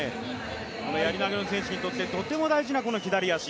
やり投の選手にとってとても大事な左足。